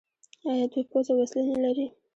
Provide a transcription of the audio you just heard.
آیا دوی پوځ او وسلې نلري؟